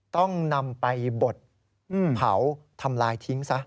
ต้องนำไปบดเผาทำลายทิ้งซะ